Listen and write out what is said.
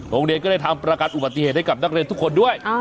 โรงเรียนก็ได้ทำประกันอุบัติเหตุให้กับนักเรียนทุกคนด้วย